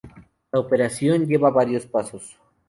La operación lleva varios pasos.